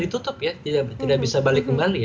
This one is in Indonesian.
ditutup ya tidak bisa balik kembali